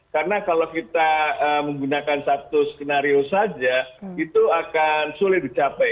karena kalau kita menggunakan satu skenario saja itu akan sulit dicapai